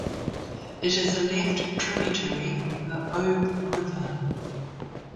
It is a left tributary of the Ob River.